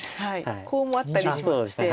コウもあったりしまして。